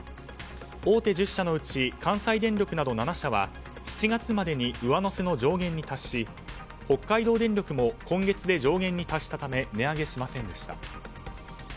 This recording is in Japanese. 大手１０社のうち関西電力など７社は７月までに上乗せの上限に達し北海道電力も今月で上限に達したため値上げしませんでした。